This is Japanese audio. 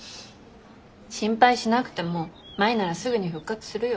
心配しなくても舞ならすぐに復活するよ。